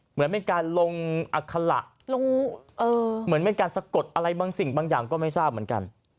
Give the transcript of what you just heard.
เหมือนเป็นการลงอัคละเหมือนเป็นการสะกดอะไรบางสิ่งบางอย่างก็ไม่ทราบเหมือนกัน